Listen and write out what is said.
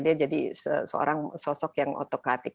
dia jadi seorang sosok yang otokratik